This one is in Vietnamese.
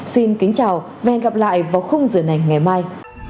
xin kính chào và hẹn gặp lại vào khung giờ này ngày mai